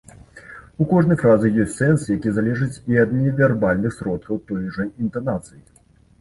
У кожнай фразы ёсць сэнс, які залежыць і ад невярбальных сродкаў, той жа інтанацыі.